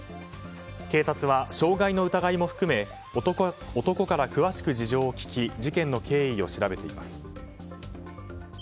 警察は傷害の疑いも含め男から詳しく事情を聴き事件の経緯を調べています。